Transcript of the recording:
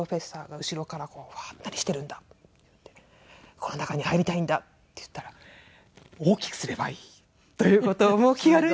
「この中に入りたいんだ」って言ったら「大きくすればいい」という事を気軽に言ってくださって。